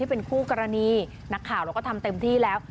เป็นคู่กรณีนักข่าวเราก็ทำเต็มที่แล้ว